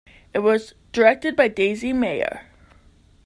It was directed by Daisy Mayer.